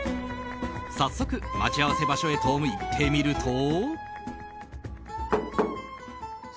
早速、待ち合わせ場所へと行ってみると。